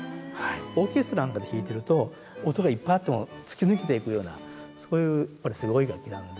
オーケストラなんかで弾いてると音がいっぱいあっても突き抜けていくようなそういうすごい楽器なので。